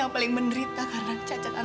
kenapa nenek malah jahat kayak gini